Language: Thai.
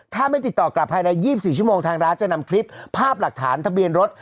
ถ้าไม่ติดต่อกลับภายใน๒๔ชั่วโมงทางร้านจะนำคลิปภาพหลักฐานทะเบียนรถ